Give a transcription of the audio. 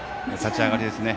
立ち上がりですね。